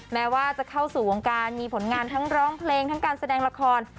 แม้ว่าจะเข้าสู่วงการมีผลงานทั้งร้องเพลงทั้งการแสดงละคร